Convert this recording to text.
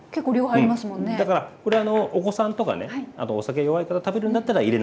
うんだからこれお子さんとかねあのお酒弱い方食べるんだったら入れなくていいです。